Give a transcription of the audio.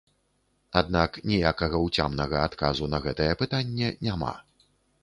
Аднак ніякага ўцямнага адказу на гэтае пытанне няма.